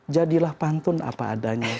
jadilah pantun apa adanya